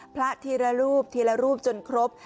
พระทีละรูปทีละรูปจนครบ